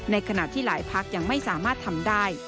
ขณะที่หลายพักยังไม่สามารถทำได้